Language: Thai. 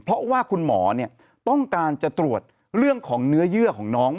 เพราะว่าคุณหมอต้องการจะตรวจเรื่องของเนื้อเยื่อของน้อง